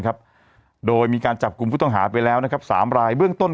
ครับโดยมีการจับกลุ่มผู้ต้องหาไปแล้วนะครับสามรายเบื้องต้น